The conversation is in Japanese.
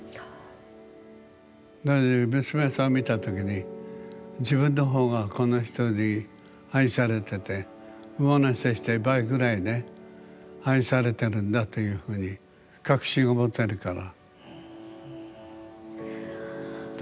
なので娘さんを見た時に自分の方がこの人に愛されてて上乗せして倍ぐらいね愛されてるんだというふうに確信を持てるから。